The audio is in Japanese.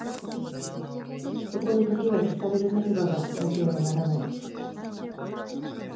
そこに時が消される立場がなければならない。